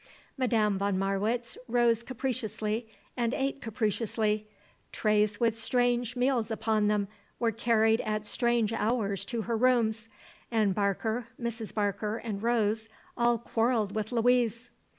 Madame von Marwitz rose capriciously and ate capriciously; trays with strange meals upon them were carried at strange hours to her rooms, and Barker, Mrs. Barker and Rose all quarrelled with Louise.